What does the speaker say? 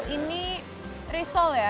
ini risol ya